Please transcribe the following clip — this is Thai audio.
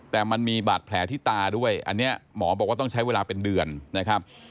แต่มันมีบาดแผลที่ตาด้วยอันนี้หมอบอกว่าต้องใช้เวลาเป็นเดือนนะครับ